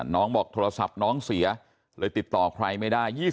บอกโทรศัพท์น้องเสียเลยติดต่อใครไม่ได้